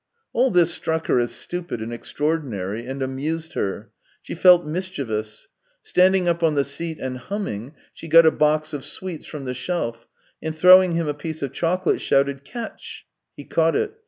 All this struck her as stupid and extraordinary, and amused her. She felt mischievous. Standing up on the seat and humming, she got a box of sweets from the shelf, and throwing him a piece of chocolate, shouted: " Catch !" He caught it.